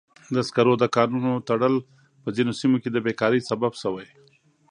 د سکرو د کانونو تړل په ځینو سیمو کې د بیکارۍ سبب شوی.